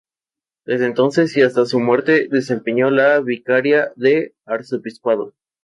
Desde entonces y hasta su muerte, desempeñó la vicaría del arzobispado.